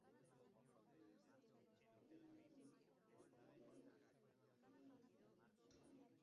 Ambas están consideradas sus mejores obras.